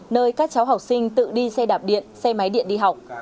nơi các cháu học sinh tự đi xe đạp điện xe máy điện đi học